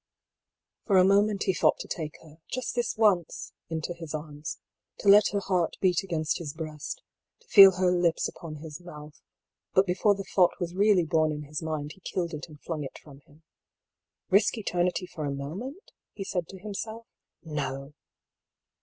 For a moment he thought to take her, just this once, into his arms : to let her heart beat against his breast, to feel her lips upon his mouth ; but before the thought 274 DR. PAULL'S THEORY. was really born in his mind he killed it and flung it from him. " Risk eternity for a moment?" he said to himself. « No